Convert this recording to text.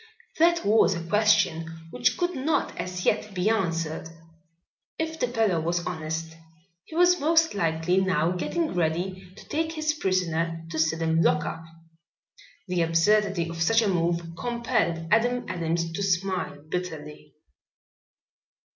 That was a question which could not as yet be answered. If the fellow was honest he was most likely now getting ready to take his prisoner to the Sidham lockup. The absurdity of such a move compelled Adam Adams to smile bitterly.